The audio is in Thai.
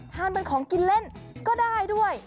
ทานเป็นของกินเล่นก็ได้ด้วย